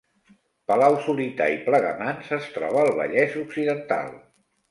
Palau-solità i Plegamans es troba al Vallès Occidental